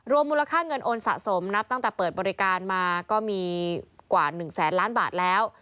มูลค่าเงินโอนสะสมนับตั้งแต่เปิดบริการมาก็มีกว่า๑แสนล้านบาทแล้ว